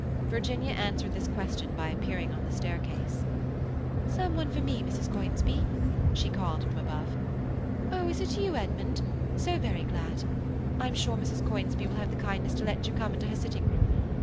Virginia answered this question by appearing on the staircase. "Some one for me, Mrs. Conisbee?" she called from above. "Oh, is it you, Edmund? So very glad! I'm sure Mrs. Conisbee will have the kindness to let you come into her sitting room.